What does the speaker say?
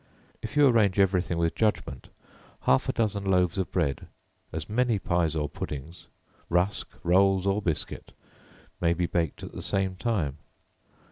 If you arrange every thing with judgment, half a dozen loaves of bread, as many pies or puddings, rusk, rolls or biscuit may be baked at the same time.